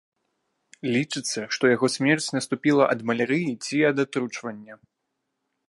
Лічыцца, што яго смерць наступіла ад малярыі ці ад атручвання.